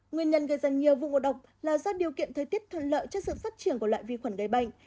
nguyên nhân gây ra nhiều vụ ngộ độc là do điều kiện thời tiết thuận lợi cho sự phát triển của loại vi khuẩn gây bệnh